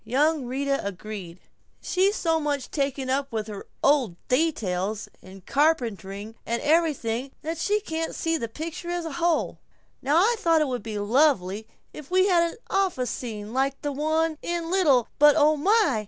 Young Rita agreed, "She's so much taken up with her old details and carpentering and everything that she can't see the picture as a whole. Now I thought it would be lovely if we had an office scene like the one in 'Little, But Oh My!'